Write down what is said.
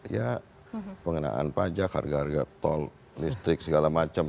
ya pengenaan pajak harga harga tol listrik segala macam